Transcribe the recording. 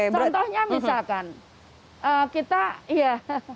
contohnya misalkan kita ya